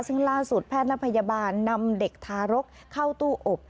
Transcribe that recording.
ซึ่งล่าสุดแพทย์และพยาบาลนำเด็กทารกเข้าตู้อบ